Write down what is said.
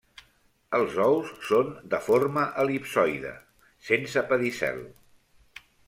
Els ous són de forma el·lipsoide, sense pedicel.